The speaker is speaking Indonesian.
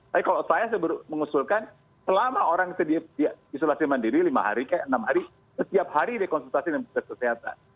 tapi kalau saya mengusulkan selama orang isolasi mandiri lima hari enam hari setiap hari dia konsultasi dengan kesehatan